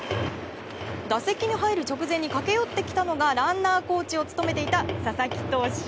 打席に入る直前に駆け寄ってきたのがランナーコーチを務めていた佐々木投手。